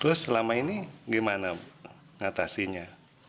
terus selama ini bagaimana atasinya